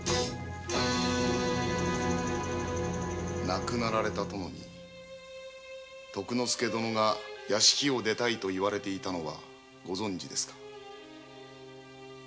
亡くなられた殿に徳之助殿が「屋敷を出たい」と言われていたのをご存じですか？